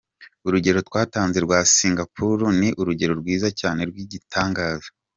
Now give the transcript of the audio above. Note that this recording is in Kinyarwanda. Urugero rwatanzwe rwa Singapore, ni urugero rwiza cyane rw’igitangaza.